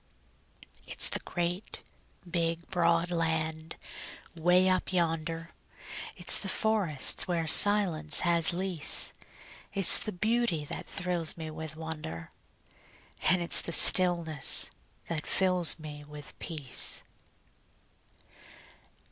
It's the great, big, broad land 'way up yonder, It's the forests where silence has lease; It's the beauty that thrills me with wonder, It's the stillness that fills me with peace.